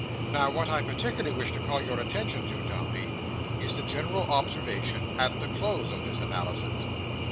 Now what I particularly wish to call your attention to, Dombey, is the general observation at the close of this analysis."